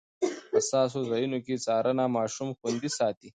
حساسو ځایونو کې څارنه ماشوم خوندي ساتي.